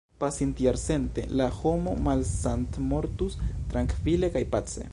Pasintjarcente tia homo malsatmortus, trankvile kaj pace.